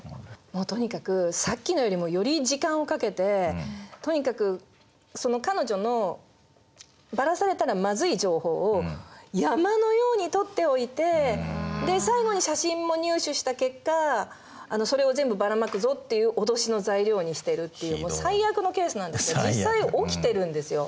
もうとにかくさっきのよりもより時間をかけてとにかくその彼女のばらされたらマズい情報を山のように取っておいてで最後に写真も入手した結果「それを全部ばらまくぞ」っていう脅しの材料にしてるっていう最悪のケースなんですけど実際起きてるんですよ。